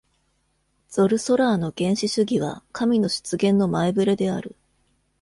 ゾル・ソラーの原始主義は神の出現の前触れである。